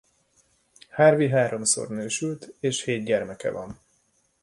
Harvey háromszor nősült és hét gyermeke van.